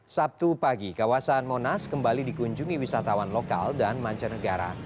sabtu pagi kawasan monas kembali dikunjungi wisatawan lokal dan mancanegara